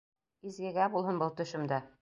Изгегә булһын был төшөм дә.